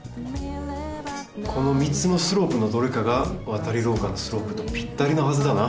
この３つのスロープのどれかがわたりろうかのスロープとぴったりなはずだな。